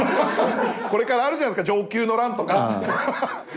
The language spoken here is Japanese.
これからあるじゃないですか承久の乱とか！